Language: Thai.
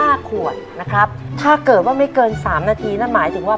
ขวดนะครับถ้าเกิดว่าไม่เกินสามนาทีนั่นหมายถึงว่า